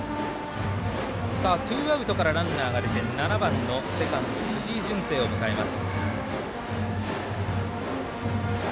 ツーアウトからランナーが出て７番、セカンドの藤井潤政を迎えます。